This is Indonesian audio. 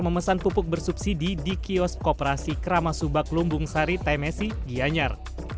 memesan pupuk bersubsidi di kios kooperasi kramasubak lumbung sari tmesi gianyar